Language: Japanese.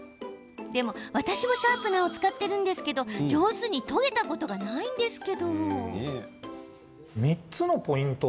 でも、私もシャープナーを使ってるけど上手に研げたことがないんですが。